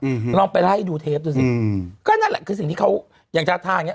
อื้อหือลองไปไล่ดูเทปดูสิอืมก็นั่นแหละคือสิ่งที่เขาอย่างเนี้ย